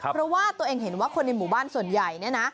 เพราะว่าตัวเองเห็นว่าคนในหมู่บ้านส่วนใหญ่เนี่ยนะ